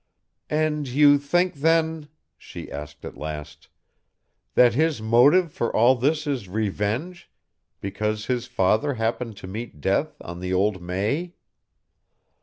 "And you think, then," she asked at last, "that his motive for all this is revenge, because his father happened to meet death on the old _May?